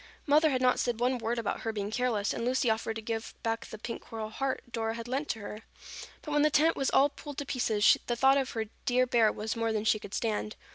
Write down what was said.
Mother had not said one word about her being careless and Lucy offered to give back the pink coral heart Dora had lent to her. But when the tent was all pulled to pieces, the thought of her dear bear was more than she could stand.